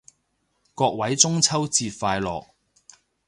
各位中秋節快樂